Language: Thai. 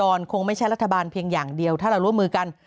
คงไม่ใช่รัฐบาลเพียงอย่างเดียวถ้าเราร่วมมือกัน